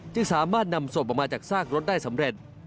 จึงสามารถนำศพออกมาจากซากรถได้สำเร็จ